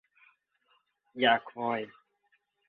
อย่าค่อย